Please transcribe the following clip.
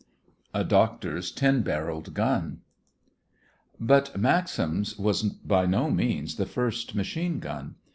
A DOCTOR'S TEN BARRELED GUN But Maxim's was by no means the first machine gun.